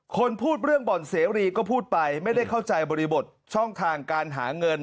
คนพูดเรื่องบ่อนเสรีก็พูดไปไม่ได้เข้าใจบริบทช่องทางการหาเงิน